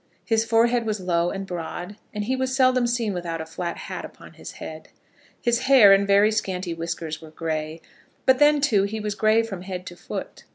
His forehead was low and broad, and he was seldom seen without a flat hat upon his head. His hair and very scanty whiskers were gray; but, then too, he was gray from head to foot.